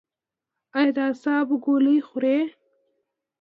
ایا د اعصابو ګولۍ خورئ؟